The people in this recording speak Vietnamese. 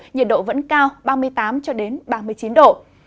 nhiệt độ vẫn cao ba mươi tám ba mươi chín độ